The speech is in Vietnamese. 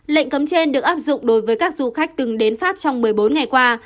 lệnh cấm trên được áp dụng đối với các du khách từng đến pháp trong một mươi bốn ngày qua